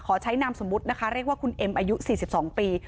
ใช้นามสมมุตินะคะเรียกว่าคุณเอ็มอายุ๔๒ปี